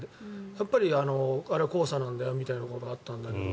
やっぱりあれは黄砂なんだよみたいなことがあったんだけど。